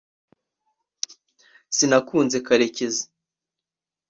sinakunze karekezi